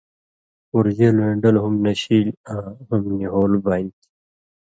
پورژیلوَیں ڈَل ہُم نشیل آں ہُم نی ہول بانیۡ تھی۔